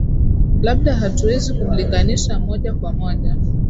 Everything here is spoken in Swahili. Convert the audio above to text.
labda hatuwezi kumlinganisha moja kwa moja